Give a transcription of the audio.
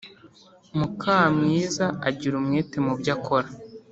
mukamwiza agira umwete mubyo akora